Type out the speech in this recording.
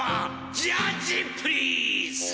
ジャッジプリーズ！